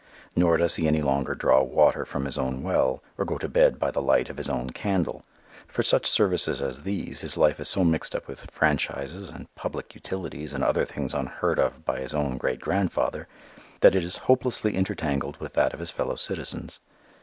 Nor does he any longer draw water from his own well or go to bed by the light of his own candle: for such services as these his life is so mixed up with "franchises" and "public utilities" and other things unheard of by his own great grandfather, that it is hopelessly intertangled with that of his fellow citizens.